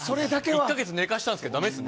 １か月寝かしたんですけど、だめですね。